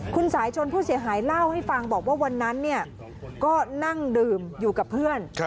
คุณสายชนผู้เสียหายเล่าให้ฟังบอกว่าวันนั้นก็นั่งดื่มอยู่กับเพื่อน